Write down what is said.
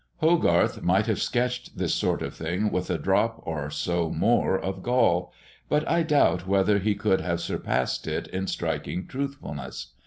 Hogarth might have sketched this sort of thing with a drop or so more of gall; but I doubt whether he could have surpassed it in striking truthfulness.